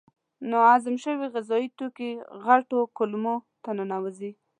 ناهضم شوي غذایي توکي غټو کولمو ته ننوزي.